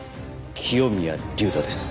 清宮隆太です。